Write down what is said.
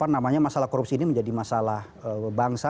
namanya masalah korupsi ini menjadi masalah bangsa